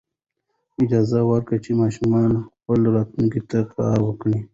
اجازه ورکړئ چې ماشومان خپلې راتلونکې ته کار وکړي.